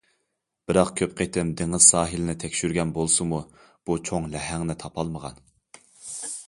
بىراق كۆپ قېتىم دېڭىز ساھىلىنى تەكشۈرگەن بولسىمۇ، بۇ چوڭ لەھەڭنى تاپالمىغان.